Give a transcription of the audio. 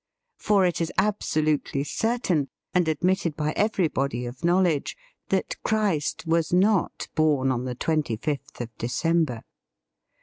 For it is absolutely certain, and admitted by everybody of knowledge, that Christ was not born on the twenty fifth of December.